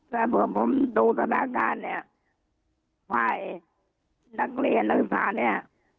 แล้วพอผมดูสถานการณ์เนี่ยฝ่ายนักเรียนนักศึกษาเนี่ย